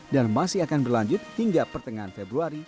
dan masih akan berlanjut hingga pertengahan februari dua ribu sembilan belas